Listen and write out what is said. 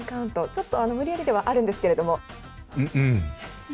ちょっと無理やりではあるんですが。